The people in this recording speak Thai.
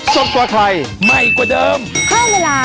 สวัสดีค่ะ